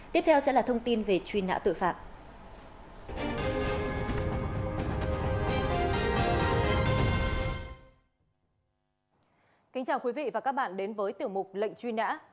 kính chào quý vị và các bạn đến với tiểu mục lệnh truy nã